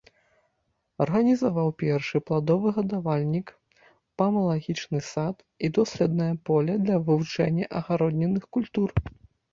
Арганізаваў першы пладовы гадавальнік, памалагічны сад і доследнае поле для вывучэння агароднінных культур.